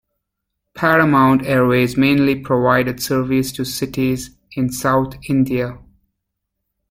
Paramount Airways mainly provided services to cities in South India.